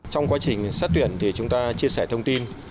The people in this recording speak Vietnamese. trong quá trình xét tuyển thì chúng ta chia sẻ thông tin